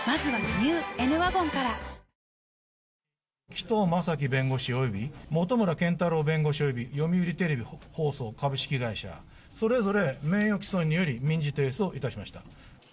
紀藤正樹弁護士および本村健太郎弁護士および読売テレビ放送株式会社、それぞれ名誉棄損により、民事提訴いたしました。